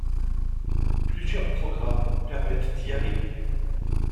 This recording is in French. Plusieurs programmes permettent d’y arriver.